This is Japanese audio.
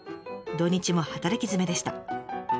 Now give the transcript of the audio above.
土日も働きづめでした。